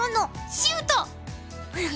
シュート。